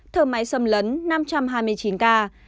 thở máy xâm lấn năm trăm hai mươi chín ca